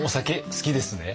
好きです。